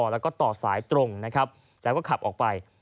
แล้วก็ต่อสายตรงนะครับแล้วก็ขับออกไป